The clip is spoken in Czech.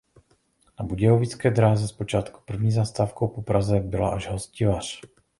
Na budějovické dráze zpočátku první zastávkou po Praze byla až Hostivař.